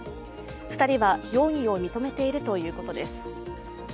２人は容疑を認めているということです。